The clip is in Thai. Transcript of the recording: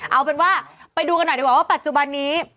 เอาเป็นว่าไปดูกันหน่อยดีกว่าว่าปัจจุบันนี้